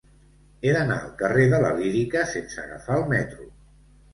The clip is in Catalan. He d'anar al carrer de la Lírica sense agafar el metro.